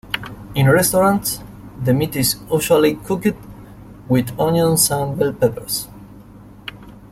In restaurants, the meat is usually cooked with onions and bell peppers.